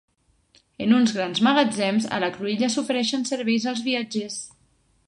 En uns grans magatzems a la cruïlla s'ofereixen serveis als viatgers.